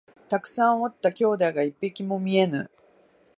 たくさんおった兄弟が一匹も見えぬ